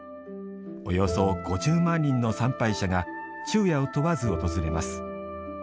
およそ５０万人の参拝者が昼夜を問わず訪れます。